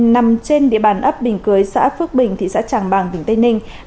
nằm trên địa bàn ấp bình cưới xã phước bình thị xã tràng bàng tỉnh tây ninh